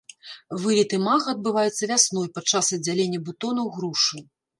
Вылет імага адбываецца вясной падчас аддзялення бутонаў грушы.